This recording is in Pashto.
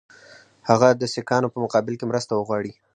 هغه د سیکهانو په مقابل کې مرسته وغواړي.